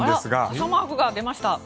傘マークが出ました。